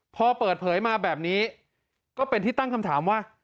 พอเปิดเผยมาแบบนี้ก็เป็นที่ตั้งคำถามว่า